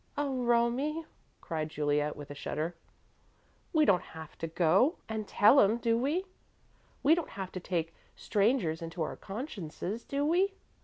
"Oh, Romie," cried Juliet, with a shudder, "we don't have to go and tell 'em, do we? We don't have to take strangers into our consciences, do we?"